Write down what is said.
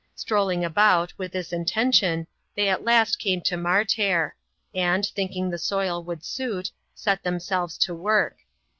Strolling about, with this intention, they at last came to Martair ; and, thinking the soil would suit, set themselves to work.